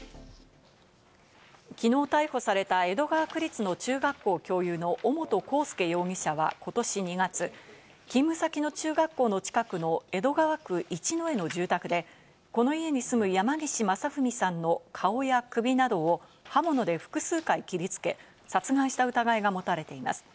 昨日逮捕された江戸川区立の中学校教諭の尾本幸祐容疑者は今年２月、勤務先の中学校の近くの江戸川区一之江の住宅でこの家に住む山岸正文さんの顔や首などを刃物で複数回切りつけ、殺害した疑いが持たれています。